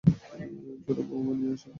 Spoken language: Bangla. ছোট বৌমা নিয়ে আসেন।